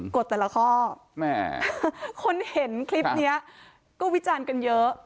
กฎแต่ละข้อแม่คนเห็นคลิปนี้ก็วิจารณ์กันเยอะ